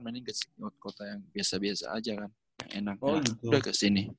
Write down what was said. ini kota yang biasa biasa aja kan enaknya udah kesini